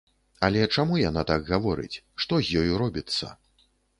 Але чаму яна так гаворыць, што з ёю робіцца?